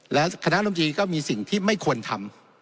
และคณะรมจีนก็มีสิ่งที่ไม่ควรทำ